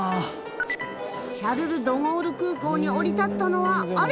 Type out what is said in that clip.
シャルル・ド・ゴール空港に降り立ったのはあれ？